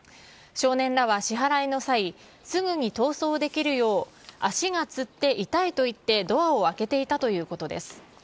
少年らは支払いの際、すぐに逃走できるよう足がつって痛いと言ってドアを開けていたということです。